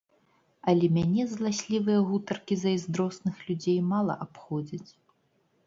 Але мяне зласлівыя гутаркі зайздросных людзей мала абходзяць.